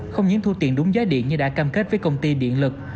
không những thu tiền đúng giá điện như đã cam kết với công ty điện lực